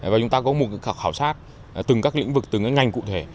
và chúng ta có một cái khảo sát từng các lĩnh vực từng cái ngành cụ thể